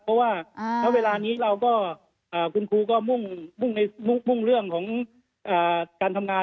เพราะว่าณเวลานี้เราก็คุณครูก็มุ่งเรื่องของการทำงาน